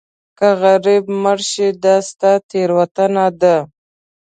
که غریب مړ شې دا ستا تېروتنه ده.